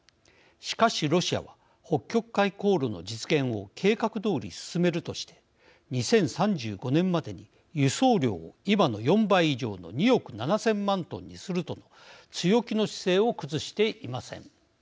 しかし、ロシアは北極海航路の実現を計画どおり進めるとして２０３５年までに輸送量を今の４倍以上の２億７０００万トンにするとの強気の姿勢を崩していません。